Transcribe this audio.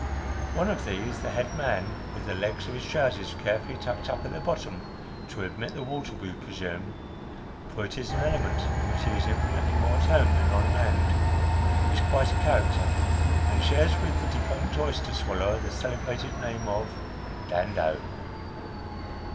One of these, the head man, with the legs of his trousers carefully tucked up at the bottom, to admit the water, we presume for it is an element in which he is infinitely more at home than on land is quite a character, and shares with the defunct oyster swallower the celebrated name of "Dando."